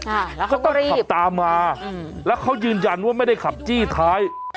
อ่าแล้วก็ต้องขับตามมาอืมแล้วเขายืนยันว่าไม่ได้ขับจี้ท้าย